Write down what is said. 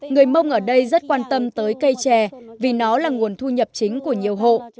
người mông ở đây rất quan tâm tới cây trè vì nó là nguồn thu nhập chính của nhiều hộ